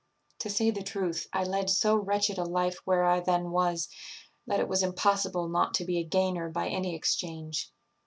To say the truth, I led so wretched a life where I then was, that it was impossible not to be a gainer by any exchange.